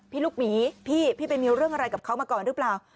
ลูกหมีพี่พี่ไปมีเรื่องอะไรกับเขามาก่อนหรือเปล่า